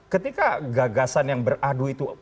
ketika gagasan yang beradu itu